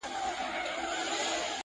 لا تر څو به دي قسمت په غشیو ولي،